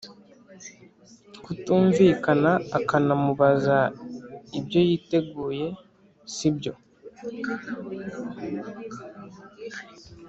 kutumvikana akanamubaza ibyo yiteguye sibyo